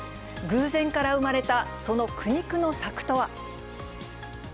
偶然から生まれたその苦肉の策とは。